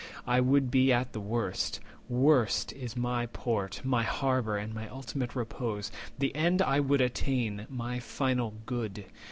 I would be at the worst; worst is my port, My harbour, and my ultimate repose, 210 The end I would attain, my final good.